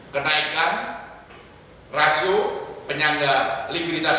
kenaikan rasio penyangga likviditas